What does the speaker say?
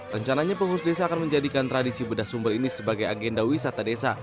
rencananya pengurus desa akan menjadikan tradisi bedah sumber ini sebagai agenda wisata desa